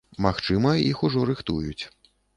Магчыма, іх ужо рыхтуюць.